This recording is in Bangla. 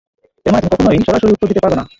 এর মানে তুমি কখনোই সরাসরি উত্তর দিতে পারবে না।